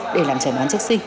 để làm trả đoán trước sinh